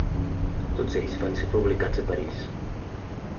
Tots ells van ser publicats a París.